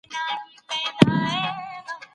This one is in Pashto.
کوم هیواد غواړي هوکړه نور هم پراخ کړي؟